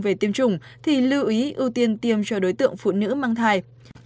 về tiêm chủng thì lưu ý ưu tiên tiêm cho đối tượng phụ nữ mang thai